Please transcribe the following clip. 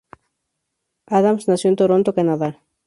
Adams nació en Toronto, Canadá.